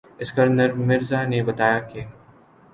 اسکندر مرزا نے بتایا کہ